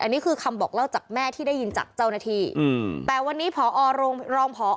อันนี้คือคำบอกเล่าจากแม่ที่ได้ยินจากเจ้าหน้าที่อืมแต่วันนี้พอโรงรองพอ